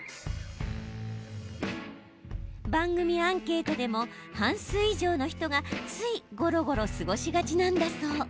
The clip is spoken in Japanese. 番組アンケートでも半数以上の人が、ついゴロゴロ過ごしがちなんだそう。